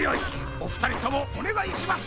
おふたりともおねがいします！